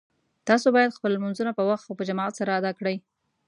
تاسو باید خپل لمونځونه په وخت او په جماعت سره ادا کړئ